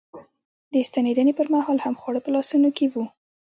د ستنېدنې پر مهال هم خواړه په لاسونو کې و.